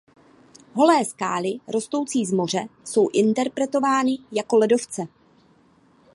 Holé skály rostoucí z moře jsou interpretovány jako ledovce.